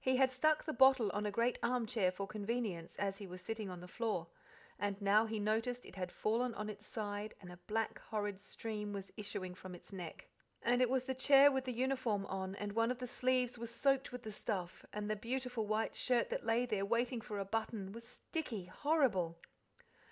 He had stuck the bottle on a great armchair for convenience, as he was sitting on the floor, and now he noticed it had fallen on its side and a black, horrid stream was issuing from its neck. And it was the chair with the uniform on, and one of the sleeves was soaked with the stuff, and the beautiful white shirt that lay there, too, waiting for a button, was sticky, horrible!